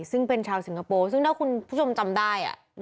ซึ่งเป็นชาวสิงคโปร์ซึ่งถ้าคุณผู้ชมจำได้